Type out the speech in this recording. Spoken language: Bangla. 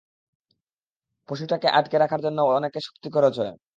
পশুটাকে আঁটকে রাখার জন্য অনেক শক্তি খরচ হয়।